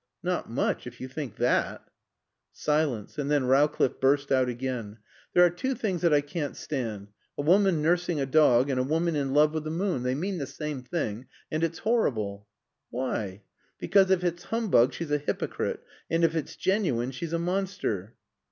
"Not much. If you think that." Silence. And then Rowcliffe burst out again. "There are two things that I can't stand a woman nursing a dog and a woman in love with the moon. They mean the same thing. And it's horrible." "Why?" "Because if it's humbug she's a hypocrite, and if it's genuine she's a monster."